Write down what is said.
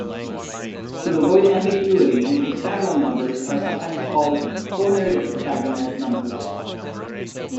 To avoid ambiguity, hexagonal numbers are sometimes called "cornered hexagonal numbers".